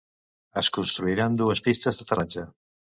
Es construiran dues pistes d'aterratge.